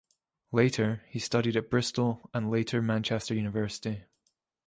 Later, he studied at Bristol and later Manchester University.